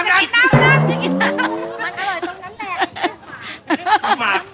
น้ำหมาก